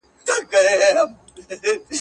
پښتونستانه څنګ به نه جوړېدې